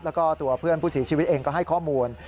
แล้วก็ตัวเพื่อนผู้เสียชีวิตเองก็ให้ข้อมูล